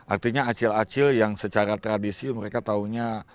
artinya acil acil yang secara tradisi mereka tahunya